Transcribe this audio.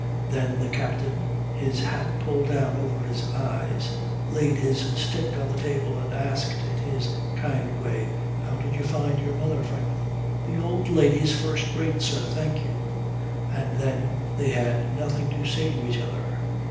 Then the captain, his hat pulled down over his eyes, laid his stick on the table and asked in his kind way: 'How did you find your mother, Franklin?' 'The old lady's first rate, sir, thank you.' And then they had nothing to say to each other.